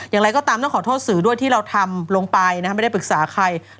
อย่างไรก็ตามต้องขอโทษสื่อด้วยที่เราทำลงไปไม่ได้ปรึกษาใคร